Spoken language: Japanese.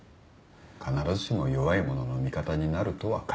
必ずしも弱い者の味方になるとはかぎらない。